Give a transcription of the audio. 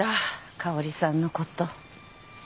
香織さんのこと。